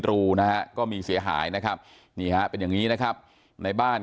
รูนะฮะก็มีเสียหายนะครับนี่ฮะเป็นอย่างนี้นะครับในบ้าน